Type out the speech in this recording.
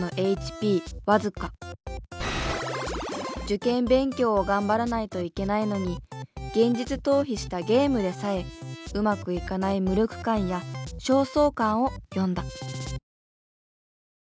受験勉強を頑張らないといけないのに現実逃避したゲームでさえうまくいかない無力感や焦燥感を詠んだ。